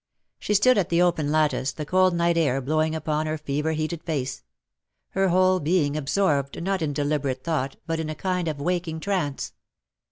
She stood at the open lattice, the cold night air blowing upon her fever heated face; her whole being absorbed not in deliberate thought, but in a kind of waking trance.